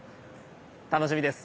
楽しみです。